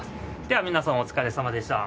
では皆さんお疲れさまでした。